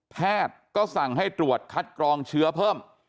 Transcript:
แพทย์ก็สั่งให้ตรวจคัดกรองเชื้อเพิ่ม